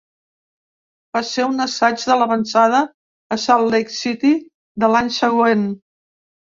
Va ser un assaig de l'avançada a Salt Lake City de l'any següent.